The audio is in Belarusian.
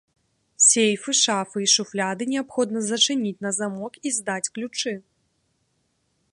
Сейфы, шафы і шуфляды неабходна зачыніць на замок і здаць ключы.